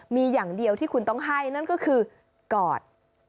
มีอย่างเดียวที่คุณต้องให้นั่นก็คือกอด